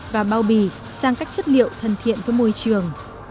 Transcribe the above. và bao bì sang các chất liệu thân thiện với môi trường